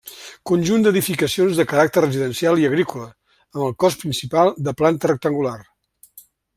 Conjunt d'edificacions de caràcter residencial i agrícola, amb el cos principal de planta rectangular.